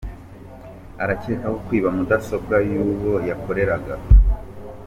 Arakekwaho kwiba mudasobwa y’uwo yakoreraga